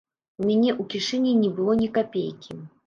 У мяне ў кішэні не было ні капейкі!